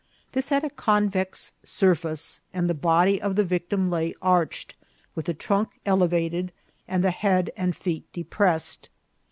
This had a convex surface, and the body of the victim lay arched, with the trunk elevated and the head and feet depressed.